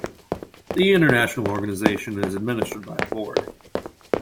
The international organization is administered by a board.